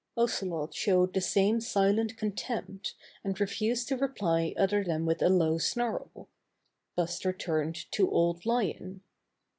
Ocelot showed the same silent contempt and refused to reply other than with a low snarl. Buster turned to Old Lion.